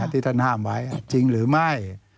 ที่ท่านห้ามไว้จริงหรือไม่